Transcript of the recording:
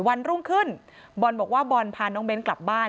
วันรุ่งขึ้นบอลบอกว่าบอลพาน้องเบ้นกลับบ้าน